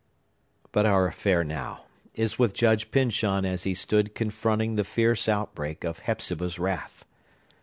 But our affair now is with Judge Pyncheon as he stood confronting the fierce outbreak of Hepzibah's wrath.